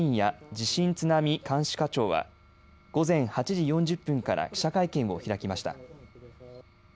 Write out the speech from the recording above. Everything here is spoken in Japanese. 地震津波監視課長は午前８時４０分から記者会見を開きました。